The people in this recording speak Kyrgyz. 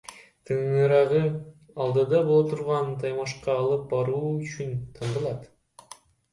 Тыңыраагы алдыда боло турган таймашка алып баруу үчүн тандалат.